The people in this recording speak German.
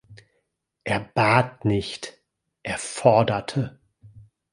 Er bat nicht, er forderte.